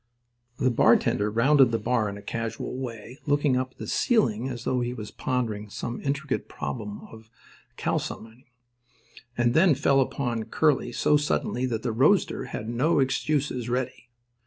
The bartender rounded the bar in a casual way, looking up at the ceiling as though he was pondering some intricate problem of kalsomining, and then fell upon Curly so suddenly that the roadster had no excuses ready.